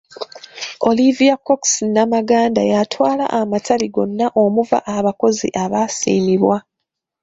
Olivia Cox Namaganda y'atwala amatabi gonna omuva abakozi abaasiimibwa.